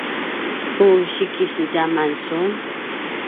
ku sikisedjam sun?